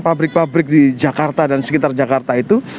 pabrik pabrik di jakarta dan sekitar jakarta itu